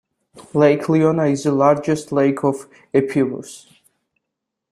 Lake Ioannina is the largest lake of Epirus.